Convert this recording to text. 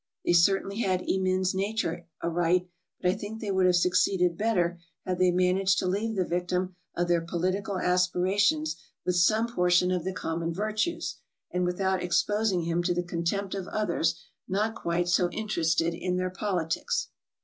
They certainly had Emin's nature aright, but I think they would have succeeded better had they managed to leave the victim of their political aspira tions with some portion of the common virtues, and without exposing him to the contempt of others not quite so in terested in their politics.